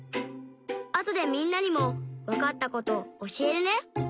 あとでみんなにもわかったことおしえるね！